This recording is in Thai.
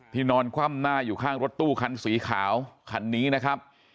นอนคว่ำหน้าอยู่ข้างรถตู้คันสีขาวคันนี้นะครับ